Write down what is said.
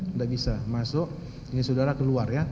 tidak bisa masuk ini saudara keluar ya